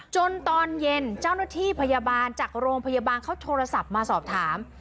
ตอนเย็นเจ้าหน้าที่พยาบาลจากโรงพยาบาลเขาโทรศัพท์มาสอบถาม